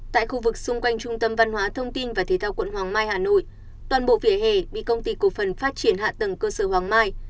tại khu vực xung quanh trung tâm văn hóa thông tin và thế thao quận hoàng mai hà nội toàn bộ vỉa hè bị công ty cổ phần phát triển hạ tầng cơ sở hoàng mai